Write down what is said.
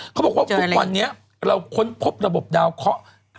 เขาบอกว่าทุกวันนี้เราค้นพบระบบดาวเคาะ